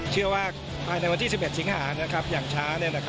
เชื่อว่าภายในวันที่๑๑สิงหาอย่างช้า